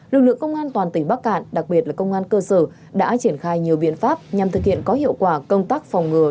lực lượng công an toàn tỉnh bắc cạn đặc biệt là công an cơ sở đã triển khai nhiều biện pháp nhằm thực hiện có hiệu quả công tác phòng ngừa